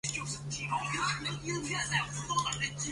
如今为某单位用房。